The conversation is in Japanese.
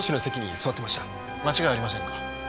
間違いありませんか？